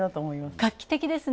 画期的ですね。